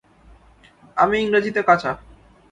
আমি ইংরেজিতে কাঁচা।